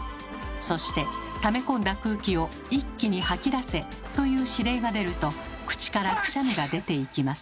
そして「ため込んだ空気を一気に吐き出せ！」という指令が出ると口からくしゃみが出ていきます。